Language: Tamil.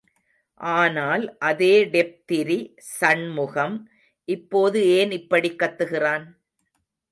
ஆனால் அதே டெப்திரி சண்முகம், இப்போது ஏன் இப்படி கத்துறான்?.